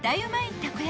たこ焼